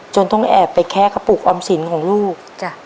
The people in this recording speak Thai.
จนต้องแอบไปแค้กปลูกออมสินของลูก